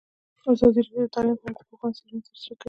ازادي راډیو د تعلیم په اړه د پوهانو څېړنې تشریح کړې.